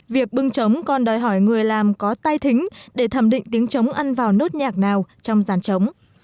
việc bưng trống còn đòi hỏi người làm có tay thính để thẩm định tiếng trống ăn vào nốt nhạc nào trong giàn trống